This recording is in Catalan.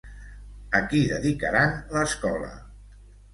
A qui dedicaren l'escola?